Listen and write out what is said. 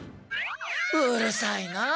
うるさいなあ。